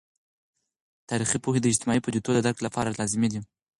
تاریخي پوهه د اجتماعي پدیدو د درک لپاره لازمي ده.